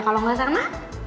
kalau gak serna